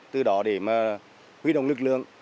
từ đó để huy động lực lượng